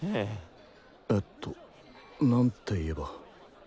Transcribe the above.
えっと何て言えば